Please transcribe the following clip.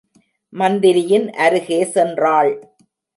மந்திரியின் அருகே சென்றாள்.